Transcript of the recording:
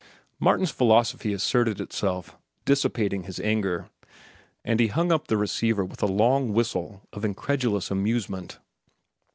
Martin's philosophy asserted itself, dissipating his anger, and he hung up the receiver with a long whistle of incredulous amusement.